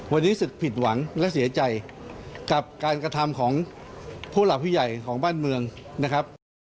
วันนี้รู้สึกผิดหวังและเสียใจกับการกระทำของผู้หลักผู้ใหญ่ของบ้านเมืองนะครับ